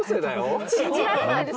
信じられないです。